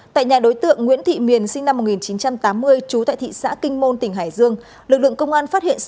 tại nhà đối tượng nguyễn thị miền sinh năm một nghìn chín trăm tám mươi trú tại thị xã kinh môn tỉnh hải dương lực lượng công an phát hiện